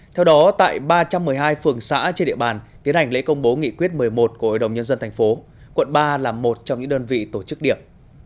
theo đó tại ba trăm một mươi hai phường xã trên địa bàn tiến hành lễ công bố nghị quyết một mươi một của ủy đồng nhân dân tp quận ba là một trong những đơn vị tổ chức điểm